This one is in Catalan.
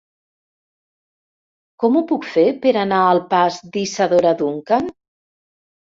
Com ho puc fer per anar al pas d'Isadora Duncan?